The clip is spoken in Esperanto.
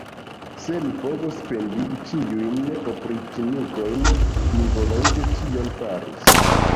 Se mi povus pendigi ĉiujn opriĉnikojn, mi volonte tion farus!